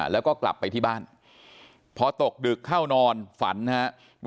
แล้วก็กลับไปที่บ้านพอตกดึกเข้านอนฝันนะครับ